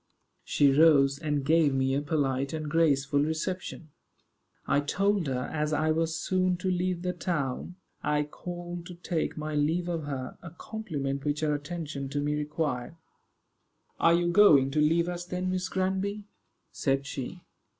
She rose, and gave me a polite and graceful reception. I told her, as I was soon to leave the town, I called to take my leave of her a compliment which her attention to me required. "Are you going to leave us then, Miss Granby?" said she.